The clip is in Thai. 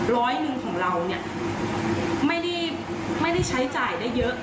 ร้อยหนึ่งของเราเนี่ยไม่ได้ใช้จ่ายได้เยอะ